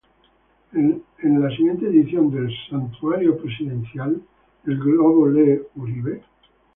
En la siguiente edición del "Santuario Presidencial" el globo lee "¿Uribe?